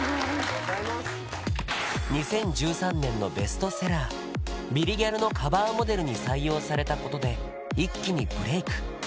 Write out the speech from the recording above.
２０１３年のベストセラー「ビリギャル」のカバーモデルに採用されたことで一気にブレイク